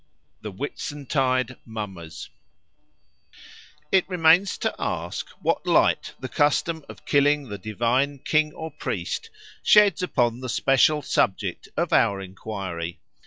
The Whitsuntide Mummers IT remains to ask what light the custom of killing the divine king or priest sheds upon the special subject to our enquiry.